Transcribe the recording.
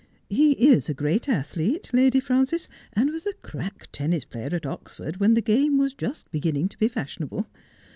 He is a great athlete, Lady Frances, and was a crack tennis player at Oxford when the game was just beginning to be fashionable.